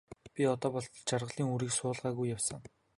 Би одоо болтол жаргалын үрийг суулгаагүй явсан.